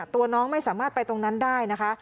ตัวน้องไม่สามารถไปตรงนั้นได้นะคะ